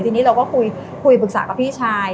ทีนี้เราก็คุยปรึกษากับพี่ชาย